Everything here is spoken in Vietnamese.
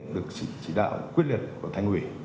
được chỉ đạo quyết liệt của thành quỷ